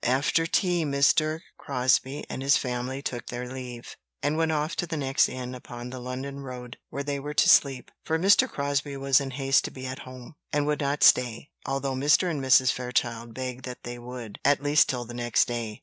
After tea, Mr. Crosbie and his family took their leave, and went off to the next inn upon the London road, where they were to sleep; for Mr. Crosbie was in haste to be at home, and would not stay, although Mr. and Mrs. Fairchild begged that they would at least till the next day.